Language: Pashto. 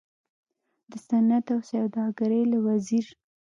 د صنعت او سوداګرۍ له وزیر